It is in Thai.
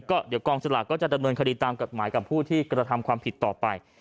ก็เดี๋ยวกองสลากก็จะดำเนินคดีตามกฎหมายกับผู้ที่กระทำความผิดต่อไป